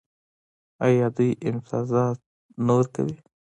آیا دوی امتیازات نه ورکوي؟